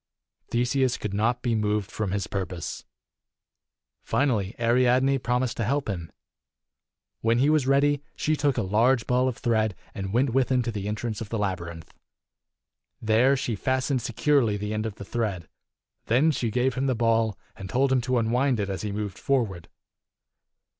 Theseus could not be moved from his pur pose. Finally Ariadne promised to help him. When he was ready, she took a large ball of thread and went with him to the entrance of the labyrinth. There she fastened securely the end of the thread. Then she gave him the ball, and told him to unwind it as he moved forward.